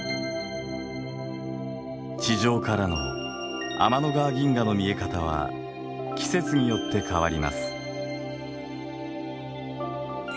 地上からの天の川銀河の見え方は季節によって変わります。